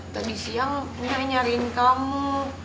tadi siang dia nyariin kamu